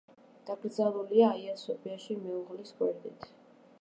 დაკრძალულია აია-სოფიაში მეუღლის გვერდით.